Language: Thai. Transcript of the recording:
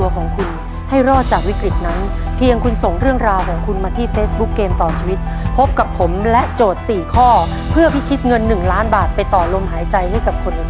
ขอบคุณมากครับ